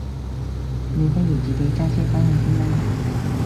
你不如自己揸車返去先啦？